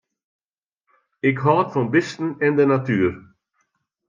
Ik hâld fan bisten en de natuer.